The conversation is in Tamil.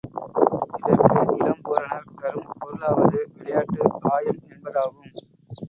இதற்கு இளம்பூரணர் தரும் பொருளாவது விளையாட்டு ஆயம் என்பதாகும்.